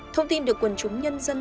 thông tin được quần chúng nhân dân